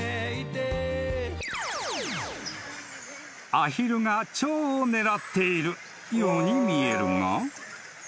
［アヒルがチョウを狙っているように見えるが］